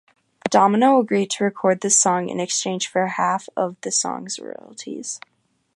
Domino agreed to record the song in exchange for half of the song's royalties.